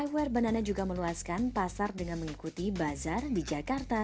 iwer banana juga meluaskan pasar dengan mengikuti bazar di jakarta